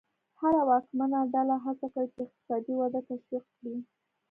هره واکمنه ډله هڅه کوي چې اقتصادي وده تشویق کړي.